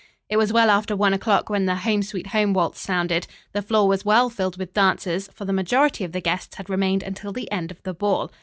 It was well after one o'clock when the "Home, Sweet Home" waltz sounded. The floor was well filled with dancers, for the majority of the guests had remained until the end of the ball.